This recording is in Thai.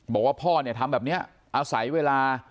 บอกว่าพ่อเนี่ยทำแบบนี้อาศัยเวลา